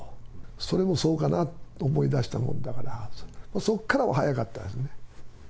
それもそうかなと思いだしたものだから、そっからは早かったですね。